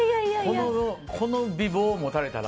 この美貌を持たれたら。